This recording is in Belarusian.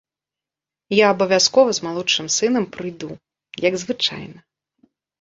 Я абавязкова з малодшым сынам прыйду, як звычайна.